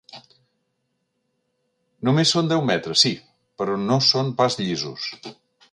Només són deu metres, sí, però no són pas llisos.